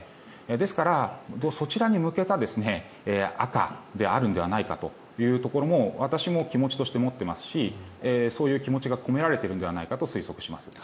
ですから、そちらに向けた赤であるのではないかというところも私も気持ちとして持っていますしそういう気持ちがこめられているのではないかと推測します。